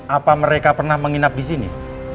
apa mereka pernah menginap di sini